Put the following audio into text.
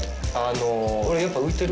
俺やっぱ浮いてる？